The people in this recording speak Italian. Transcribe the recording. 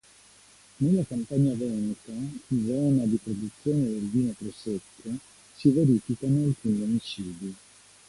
Nella campagna veneta, zona di produzione del vino Prosecco, si verificano alcuni omicidi.